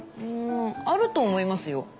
うんあると思いますよ。